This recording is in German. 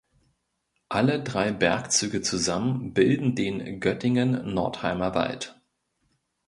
Alle drei Bergzüge zusammen bilden den Göttingen-Northeimer Wald.